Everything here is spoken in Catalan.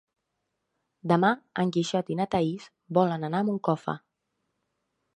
Demà en Quixot i na Thaís volen anar a Moncofa.